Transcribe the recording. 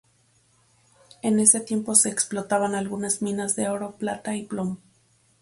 En ese tiempo se explotaban algunas minas de oro, plata y plomo.